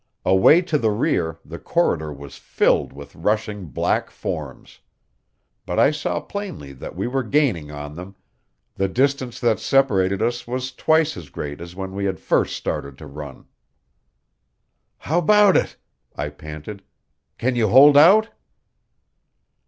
Away to the rear the corridor was filled with rushing black forms. But I saw plainly that we were gaining on them; the distance that separated us was twice as great as when we had first started to run. "How about it?" I panted. "Can you hold out?"